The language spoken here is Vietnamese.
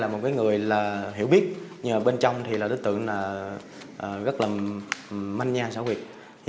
một người hiểu biết nhưng bên trong đối tượng rất là manh nha xã huyệt